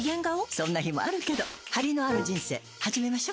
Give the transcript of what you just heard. そんな日もあるけどハリのある人生始めましょ。